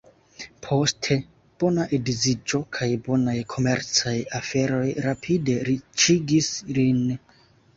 Poste, bona edziĝo kaj bonaj komercaj aferoj rapide riĉigis lin.